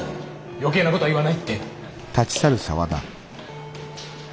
余計なことは言わないって。